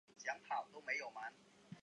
顺治八年任江西巡抚。